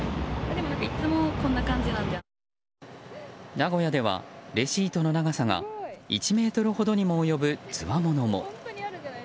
名古屋では、レシートの長さが１ｍほどにも及ぶつわものも。